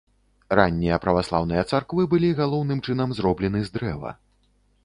Раннія праваслаўныя царквы былі галоўным чынам зроблены з дрэва.